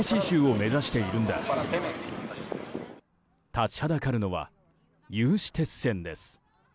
立ちはだかるのは有刺鉄線です。